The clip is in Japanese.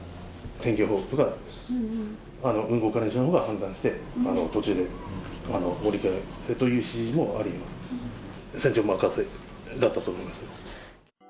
天気予報とか、運航会社のほうが判断して、途中で降りてという指示もありえます。